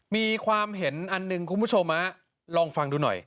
มีความเห็นอันหนึ่งคุณผู้ชมลองฟังดูหน่อย